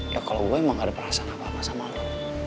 ya kalau gue emang gak ada perasaan apa apa sama lo